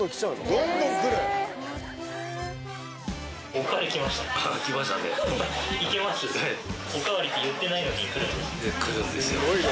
おかわりって言ってないのに来るんですね。